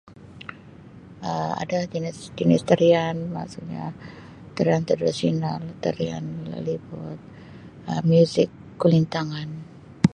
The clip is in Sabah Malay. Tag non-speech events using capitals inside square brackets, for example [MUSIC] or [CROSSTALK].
[NOISE] Um Ada jinis-jinis tarian. Maksudnya tarian tradisional, tarian laliput, Um muzik kulintangan.